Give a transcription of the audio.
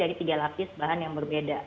dan dilapisi dari tiga lapis bahan yang berbeda